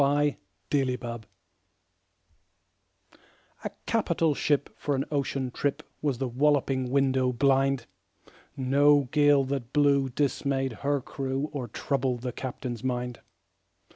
Y Z A Nautical Ballad A CAPITAL ship for an ocean trip Was The Walloping Window blind No gale that blew dismayed her crew Or troubled the captain's mind.